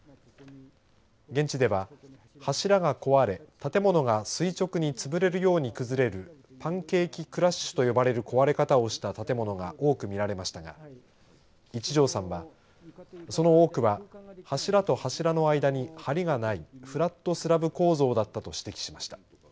現地では、柱が壊れ建物が垂直につぶれるように崩れるパンケーキクラッシュと呼ばれる壊れ方をした建物が多く見られましたが一條さんはその多くは柱と柱の間にはりがないフラットスラブ構造だったと指摘しました。